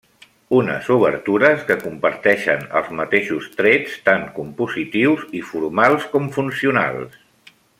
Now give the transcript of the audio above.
Unes obertures que comparteixen els mateixos trets tant compositius i formals com funcionals.